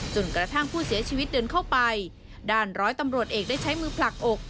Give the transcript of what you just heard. จนกระทั่งผู้เสียชีวิตเดินเข้าไปด้านร้อยตำรวจเอกได้ใช้มือผลักอก